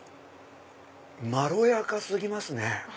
まろやか過ぎますね。